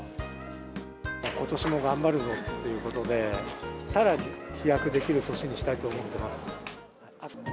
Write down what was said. ことしも頑張るぞっていうことで、さらに飛躍できる年にしたいと思っています。